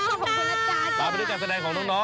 ขอบคุณน้องนะคะขอบคุณคุณอาจารย์